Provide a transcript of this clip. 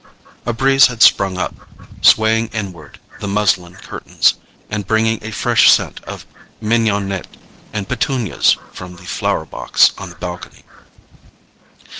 A breeze had sprung up, swaying inward the muslin curtains, and bringing a fresh scent of mignonette and petunias from the flower box on the balcony.